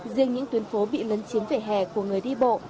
riêng những tuyến phố bị lấn chiếm về hẻ của người đi bộ